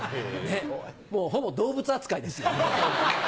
もうほぼ動物扱いですよ。